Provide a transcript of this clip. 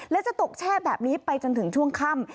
และจะตกแช่แบบนี้ไปจนถึงช่วงค่ำ